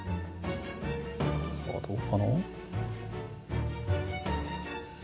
さあどうかな？